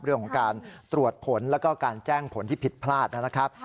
เรื่องของการตรวจผลแล้วก็การแจ้งผลที่ผิดพลาดนะครับ